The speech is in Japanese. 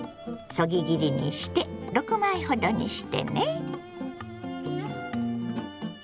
そぎ切りにして６枚ほどにしてね。